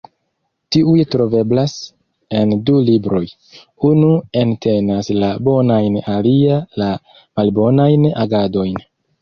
Tiuj troveblas en du libroj: unu entenas la bonajn alia la malbonajn agadojn.